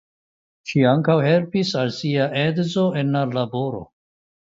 Ŝi ankaŭ helpis al sia edzo en la laboro.